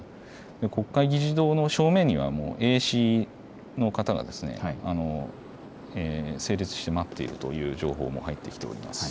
国会議事堂の正面にはもう衛視の方が整列して待っているという情報も入ってきています。